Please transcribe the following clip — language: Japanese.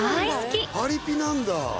パリピなんだ。